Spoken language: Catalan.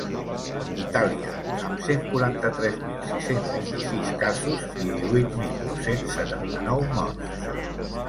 Itàlia, amb cent quaranta-tres mil sis-cents vint-i-sis casos i divuit mil dos-cents setanta-nou morts.